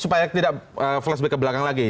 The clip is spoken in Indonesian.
supaya tidak flashback ke belakang lagi